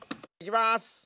いきます！